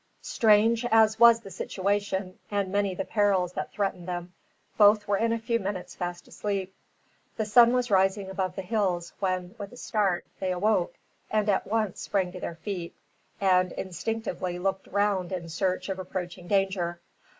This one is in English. Strange as was the situation, and many the perils that threatened them, both were in a few minutes fast asleep. The sun was rising above the hills when, with a start, they awoke and at once sprang to their feet, and instinctively looked round in search of approaching danger.